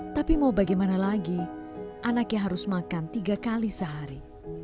tapi mau bagaimana lagi anaknya harus makan tiga kali sehari